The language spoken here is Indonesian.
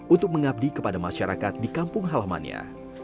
untuk mengabdi kepada masyarakat di kampung halamannya